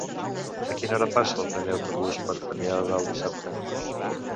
A quina hora passa el primer autobús per Premià de Dalt dissabte?